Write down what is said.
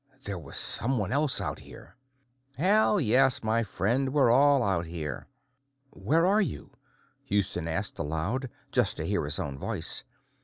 There was someone else out here! Hell, yes, my friend; we're all out here. "Where are you?" Houston asked aloud, just to hear his own voice.